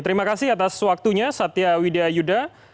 terima kasih atas waktunya satya widya yuda